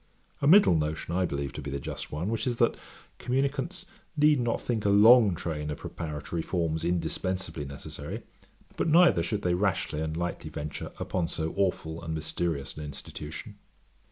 A middle notion I believe to be the just one, which is, that communicants need not think a long train of preparatory forms indispensibly necessary; but neither should they rashly and lightly venture upon so aweful and mysterious an institution.